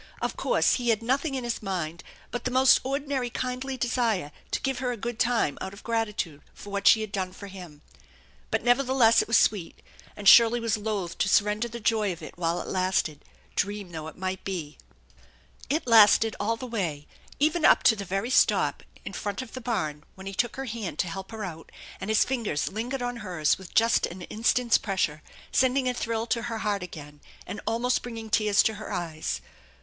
Of course, he had nothing in his mind but the most ordinary kindly desire to give her a good time out of gratitude for what she had done for him. But nevertheless it was sweet, and Shirley was loath to surrender the joy of it while it lasted, dream though it might be. It lasted all the way, even up to the very stop in front of the barn when he took her hand to help her out, and hi THE ENCHANTED BARN 201 fingers lingered on hers with just an instant's pressure, send ing a thrill to her heart again, and almost bringing tears to her eyes.